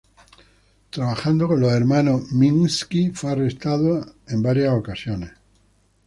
Trabajando con los hermanos Minsky fue arrestada en varias ocasiones.